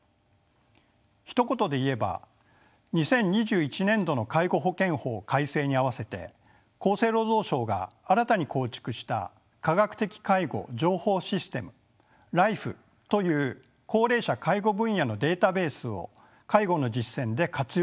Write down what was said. ひと言で言えば２０２１年度の介護保険法改正に合わせて厚生労働省が新たに構築した科学的介護情報システムＬＩＦＥという高齢者介護分野のデータベースを介護の実践で活用するというものです。